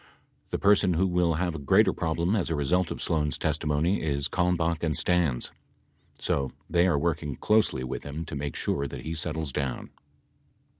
The person who will have a greater problem as a result of Sloan's testimony is Kalmbach and Stans. So they are working closely with him to make sure that he settles down.